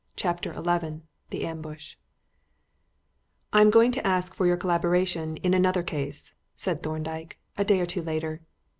CHAPTER XI THE AMBUSH "I am going to ask for your collaboration in another case," said Thorndyke, a day or two later.